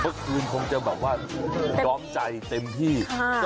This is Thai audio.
เมื่อคืนคงจะแบบว่าร้องใจเต็มที่ค่ะ